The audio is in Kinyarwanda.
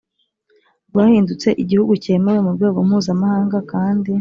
rwahindutse igihugu cyemewe mu rwego mpuzamahanga kandi